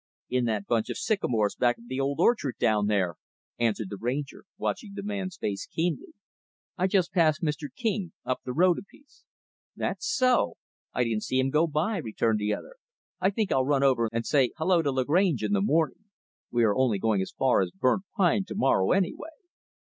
"In that bunch of sycamores back of the old orchard down there," answered the Ranger, watching the man's face keenly. "I just passed Mr. King, up the road a piece." "That so? I didn't see him go by," returned the other. "I think I'll run over and say 'hello' to Lagrange in the morning. We are only going as far as Burnt Pine to morrow, anyway."